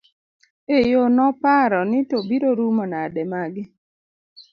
e yo noparo ni to biro rumo nade magi